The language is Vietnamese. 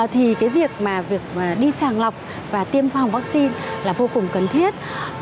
thì cái việc mà việc đi sàng lọc và tiêm phòng vaccine là vô cùng cần thiết